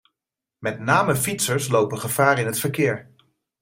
Met name fietsers lopen gevaar in het verkeer.